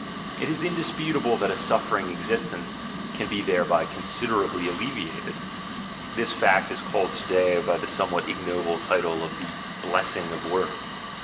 It is indisputable that a suf fering existence can be thereby considerably alleviated. This fact is called to day by the somewhat ignoble title of the "Blessing of work."